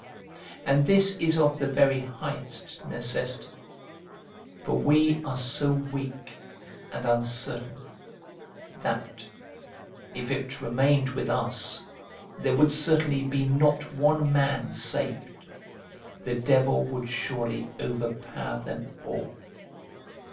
And this is of the very highest necessity. For we are so weak and uncertain, that, if it remained with us, there would certainly be not one man saved ; the devil would surely overpower them all.